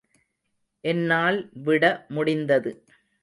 என்னால் விட முடிந்தது.